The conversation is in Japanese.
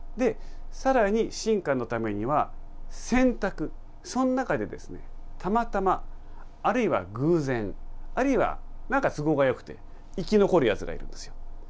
さらに進化のためには、選択、その中でたまたま、あるいは偶然、あるいはなんか都合がよくて生き残るやつがいるんですよ。